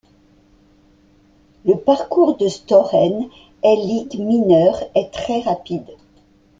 Le parcours de Storen est ligues mineures est très rapide.